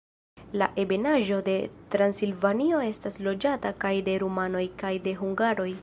La Ebenaĵo de Transilvanio estas loĝata kaj de rumanoj kaj de hungaroj.